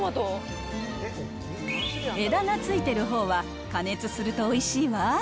枝がついてるほうは加熱するとおいしいわ。